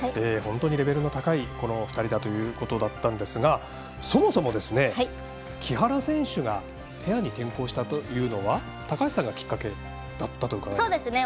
本当にレベルの高い２人だということだったんですがそもそも、木原選手がペアに転向したというのは高橋さんがきっかけだったと伺っています。